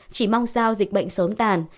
chỉ mong sao dịch bệnh sớm tàn